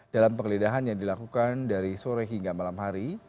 dalam penggeledahan yang dilakukan dari sore hingga malam hari